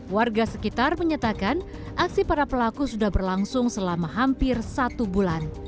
warga sekitar menyatakan aksi para pelaku sudah berlangsung selama hampir satu bulan